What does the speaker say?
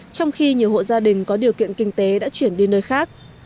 trong khi nhiều hộ gia đình có điều kiện kinh tế đã chuyển đi nơi khác